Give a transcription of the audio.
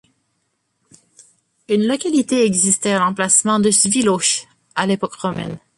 Une localité existait à l'emplacement de Sviloš à l'époque romaine.